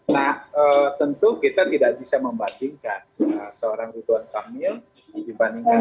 nah tentu kita tidak bisa membandingkan seorang ridwan kamil dibandingkan